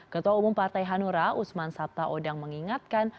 ketua umum partai hanura usman sabta odang mengingatkan